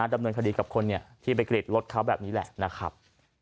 ดำเนินคดีกับคนที่ไปกรีดรถเขาแบบนี้แหละนะครับ